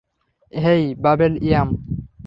হেই, বাবেল ইয়াম।